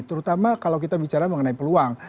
terutama kalau kita bicara mengenai peluang